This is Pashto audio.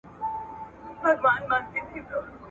په رګو یې د حرص اور وي لګېدلی ..